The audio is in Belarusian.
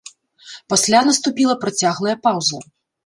Пасля наступіла працяглая паўза.